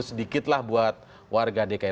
sedikitlah buat warga dki